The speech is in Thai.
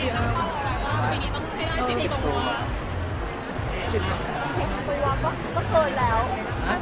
พี่เอ็มเค้าเป็นระบองโรงงานหรือเปลี่ยนไงครับพี่เอ็มเค้าเป็นระบองโรงงานหรือเปลี่ยนไงครับ